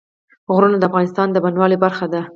غرونه د افغانستان د بڼوالۍ برخه ده.